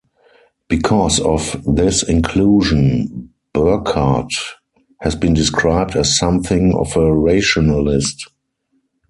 Because of this inclusion, Burchard has been described as something of a rationalist.